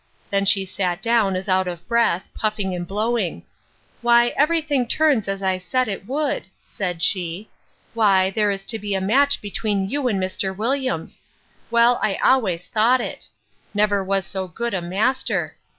Then she sat down, as out of breath, puffing and blowing. Why, every thing turns as I said it would! said she: Why, there is to be a match between you and Mr. Williams! Well, I always thought it. Never was so good a master!